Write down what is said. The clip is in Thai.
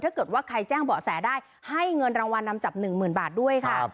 ถ้าเกิดว่าใครแจ้งเบาะแสได้ให้เงินรางวัลนำจับ๑๐๐๐บาทด้วยค่ะ